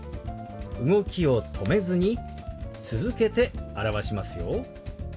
動きを止めずに続けて表しますよ。